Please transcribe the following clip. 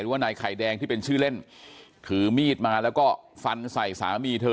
ว่านายไข่แดงที่เป็นชื่อเล่นถือมีดมาแล้วก็ฟันใส่สามีเธอ